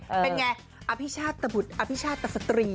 เป็นไงอภิชาติตะบุตรอภิชาตสตรี